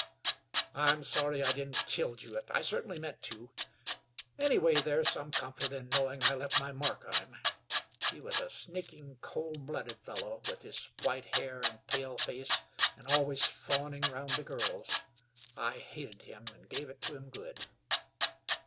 "I'm sorry I didn't kill Jewett; I certainly meant to. Anyway, there's some comfort in knowing I left my mark on him. He was a sneaking, cold blooded fellow, with his white hair and pale face, and always fawning round the girls. I hated him, and gave it to him good."